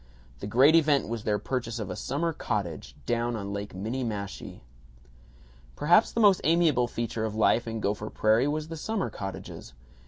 The great event was their purchase of a summer cottage, down on Lake Minniemashie. Perhaps the most amiable feature of life in Gopher Prairie was the summer cottages.